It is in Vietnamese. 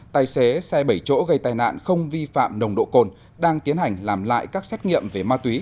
tài xế xe bảy chỗ gây tai nạn không vi phạm nồng độ cồn đang tiến hành làm lại các xét nghiệm về ma túy